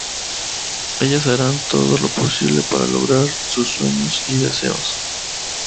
Ellas harán todo lo posible para lograr sus sueños y deseos.